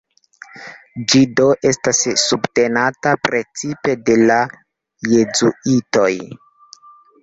Ĝi do estas subtenata precipe de la Jezuitoj.